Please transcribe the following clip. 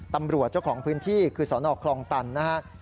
เจ้าของพื้นที่คือสนคลองตันนะครับ